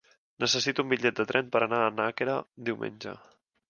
Necessito un bitllet de tren per anar a Nàquera diumenge.